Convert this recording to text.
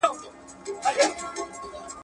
چي سېلونه د مرغیو چینارونو ته ستنیږي.